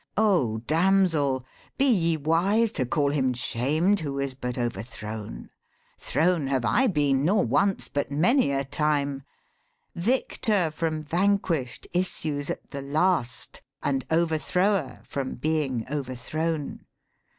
' O damsel, be ye wise To call him shamed, who is but overthrown? thrown have I been, nor once, but many a time. 196 EPIC POETRY Victor from vanquish'd issues at the last, And overthrower from being overthrown.